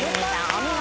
お見事！